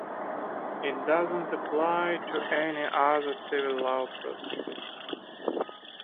It does not apply to any other civil law proceeding.